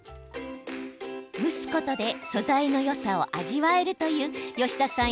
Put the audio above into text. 蒸すことで素材のよさを味わえるという吉田さん